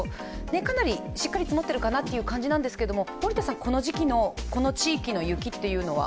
かなりしっかり積もってるかなという感じなんですけど森田さん、この時期のこの地域の雪というのは？